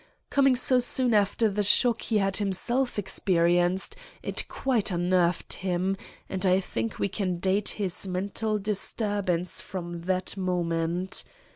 Coming so soon after the shock he had himself experienced, it quite unnerved him, and I think we can date his mental disturbance from that moment.